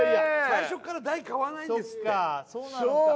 最初から大買わないですって